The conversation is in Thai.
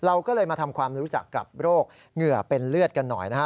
เราก็เลยมาทำความรู้จักกับโรคเหงื่อเป็นเลือดกันหน่อยนะฮะ